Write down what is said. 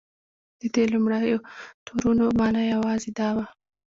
د دې لومړیو تورونو معنی یوازې دا وه.